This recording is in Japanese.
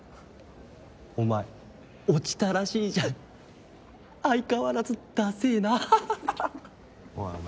お前落ちたらしいじゃん相変わらずだせえなおいお前